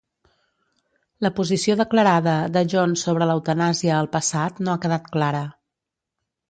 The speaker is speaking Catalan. La posició declarada de Jones sobre l'eutanàsia al passat no ha quedat clara.